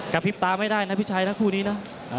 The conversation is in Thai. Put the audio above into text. กระพริบตาไม่ได้นะพี่ชัยนะคู่นี้นะ